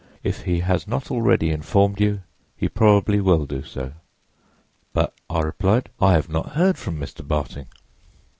If he has not already informed you he probably will do so.' "'But,' I replied, 'I have not heard from Mr. Barting.